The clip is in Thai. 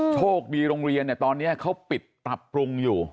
โชคดีโรงเรียนเนี่ยตอนนี้เขาปิดปรับปรุงอยู่